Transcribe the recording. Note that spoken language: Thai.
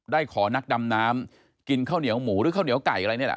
ขอนักดำน้ำกินข้าวเหนียวหมูหรือข้าวเหนียวไก่อะไรนี่แหละ